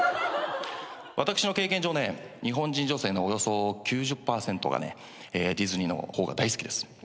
私の経験上ね日本人女性のおよそ９０％がねディズニーの方が大好きです。